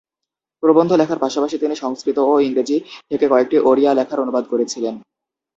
প্রবন্ধ লেখার পাশাপাশি তিনি সংস্কৃত ও ইংরেজি থেকে কয়েকটি ওড়িয়া লেখার অনুবাদ করেছিলেন।